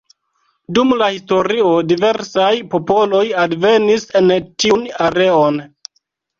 Dum la historio diversaj popoloj alvenis en tiun areon.